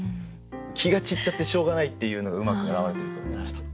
気が散っちゃってしょうがないっていうのがうまく表れてると思いました。